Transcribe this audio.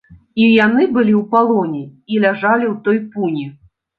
І яны былі ў палоне і ляжалі ў той пуні.